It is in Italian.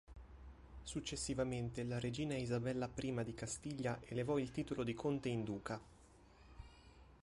Successivamente, la Regina Isabella I di Castiglia elevò il titolo di Conte in Duca.